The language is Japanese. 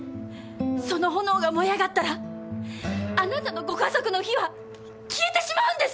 その炎が燃え上がったらあなたのご家族の灯は消えてしまうんですよ！？